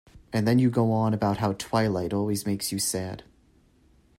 And then you go on about how twilight always makes you sad.